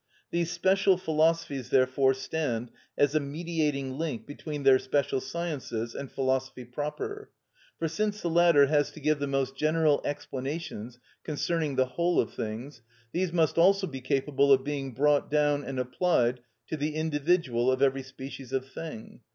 These special philosophies therefore stand as a mediating link between their special sciences and philosophy proper. For since the latter has to give the most general explanations concerning the whole of things, these must also be capable of being brought down and applied to the individual of every species of thing.